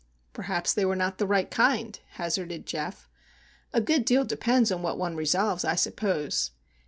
"Perhaps they were not the right kind," hazarded Geof. "A good deal depends upon what one resolves, I suppose."